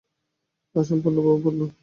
আসুন পূর্ণবাবু– পূর্ণ।